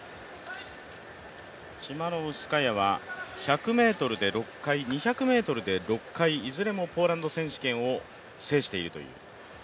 チマノウスカヤは１００ｍで６回、２００ｍで６回いずれもポーランド選手権を制しているという。